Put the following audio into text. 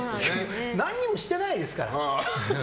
何もしてないですから。